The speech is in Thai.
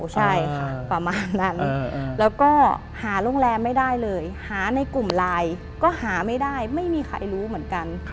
ใช่ค่ะประมาณนั้นแล้วก็หาโรงแรมไม่ได้เลยหาในกลุ่มไลน์ก็หาไม่ได้ไม่มีใครรู้เหมือนกัน